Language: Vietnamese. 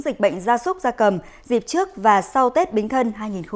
dịch bệnh gia súc gia cầm dịp trước và sau tết bính thân hai nghìn một mươi sáu